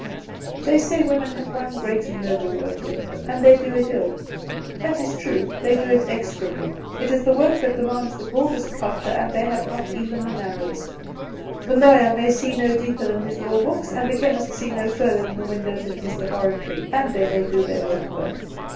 "They say women have one great and noble work left them, and they do it ill. That is true; they do it execrably. It is the work that demands the broadest culture, and they have not even the narrowest. The lawyer may see no deeper than his law books, and the chemist see no further than the windows of his laboratory, and they may do their work well.